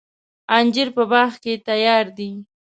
انجیر په باغ کې تیار دی.